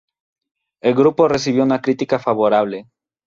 El grupo recibió una crítica favorable.